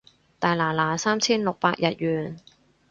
大拿拿三千六百日圓